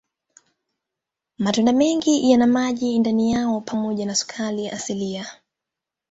Matunda mengi yana maji ndani yao pamoja na sukari asilia.